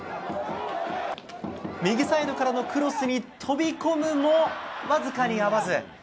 右サイドからのクロスに飛び込むもわずかに合わず。